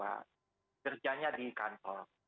kerjanya di kantor